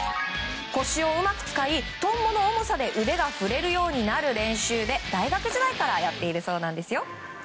腰をうまく使い、トンボの重さで腕が振れるようになる練習で大学時代からやっているそうなんですよ。